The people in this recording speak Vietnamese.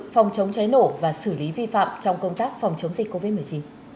phòng chống cháy nổ và xử lý vi phạm trong công tác phòng chống dịch covid một mươi chín